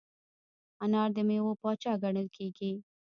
انار د میوو پاچا ګڼل کېږي.